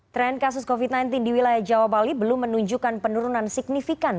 tren kasus covid sembilan belas di wilayah jawa bali belum menunjukkan penurunan signifikan